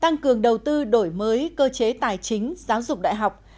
tăng cường đầu tư đổi mới cơ chế tài chính giáo dục đại học